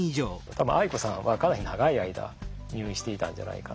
多分あい子さんはかなり長い間入院していたんじゃないかな。